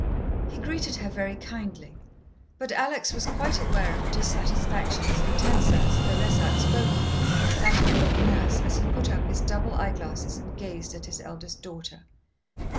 He greeted her very kindly, but Alex was quite aware of a dissatisfaction as intense as, though less outspoken than, that of old Nurse as he put up his double eye glasses and gazed at his eldest daughter.